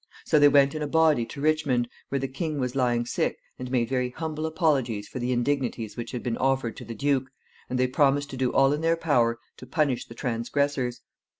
So they went in a body to Richmond, where the king was lying sick, and made very humble apologies for the indignities which had been offered to the duke, and they promised to do all in their power to punish the transgressors.